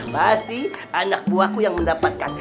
pasti anak buahku yang mendapatkan